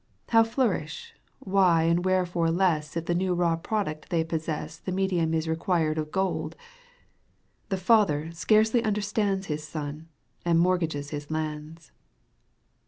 How flourish, why and wherefore less If the raw product they possess The medium is required of gold. The father scarcely understands His son and mortgages his lands.